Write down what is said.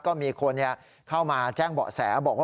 ก็มีคนเข้ามาแจ้งเบาะแสบอกว่า